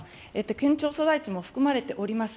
県庁所在地も含まれております。